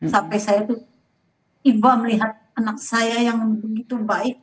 sampai saya tuh iba melihat anak saya yang begitu baik